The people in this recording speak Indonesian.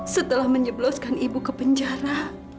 setelah menjebloskan ibu ke penjara